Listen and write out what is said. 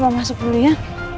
mama masuk dulu ya